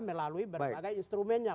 melalui berbagai instrumennya